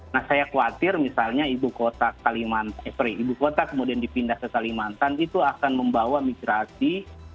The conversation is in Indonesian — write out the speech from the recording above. nah saya khawatir misalnya ibu kota kemudian dipindah ke kalimantan itu akan membawa migrasi